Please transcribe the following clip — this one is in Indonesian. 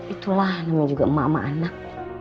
itulah namanya juga emak emak anak